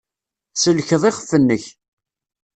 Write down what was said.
Tsellkeḍ iɣef-nnek.